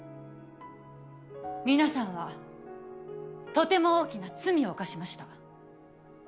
皆さんはとても大きな罪を犯しました。